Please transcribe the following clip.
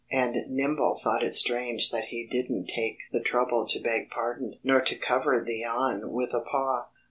And Nimble thought it strange that he didn't take the trouble to beg pardon, nor to cover the yawn with a paw.